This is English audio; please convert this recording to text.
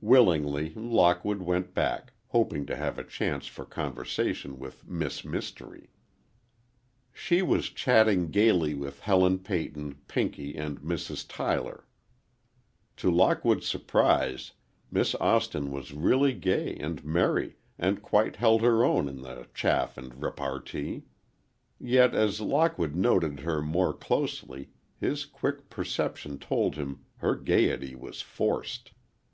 Willingly, Lockwood went back, hoping to have a chance for conversation with Miss Mystery. She was chatting gayly with Helen Peyton, Pinky and Mrs. Tyler. To Lockwood's surprise, Miss Austin was really gay and merry and quite held her own in the chaff and repartee. Yet as Lockwood noted her more closely, his quick perception told him her gayety was forced.